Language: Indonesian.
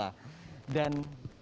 dan pavilion indonesia